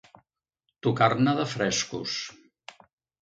Tocar-ne de frescos.